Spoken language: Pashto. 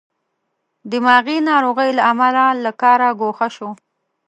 دماغې ناروغۍ له امله له کاره ګوښه شو.